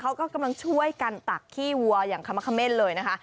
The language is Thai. เขาก็กำลังช่วยกันตักขี้วัวอย่างขมะเขม่นเลยนะคะ